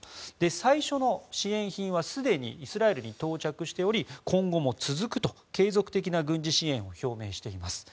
最初の支援品はすでにイスラエルに到着しており今後も続くと継続的な軍事支援を表明しています。